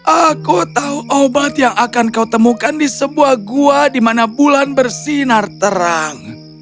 aku tahu obat yang akan kau temukan di sebuah gua di mana bulan bersinar terang